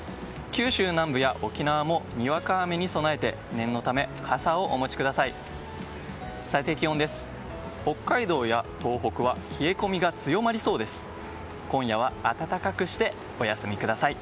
九州南部や沖縄もにわか雨に備えて念のため、傘をお持ちください。